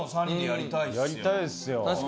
やりたいですよ。